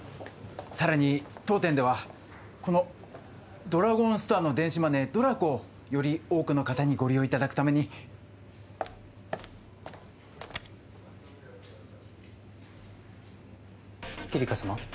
さらに当店ではこのドラゴンストアの電子マネーＤＲＡＣＯをより多くの方にご利用いただくためにキリカ様？